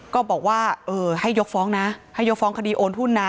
ก็บอกว่าเออให้ยกฟ้องนะให้ยกฟ้องคดีโอนหุ้นนะ